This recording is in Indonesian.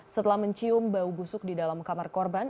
setelah mencium bau busuk di dalam kamar korban